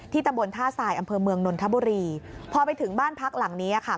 ตำบลท่าทรายอำเภอเมืองนนทบุรีพอไปถึงบ้านพักหลังนี้ค่ะ